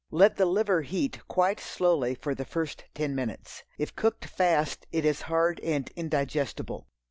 Let the liver heat quite slowly for the first ten minutes. If cooked fast it is hard and indigestible.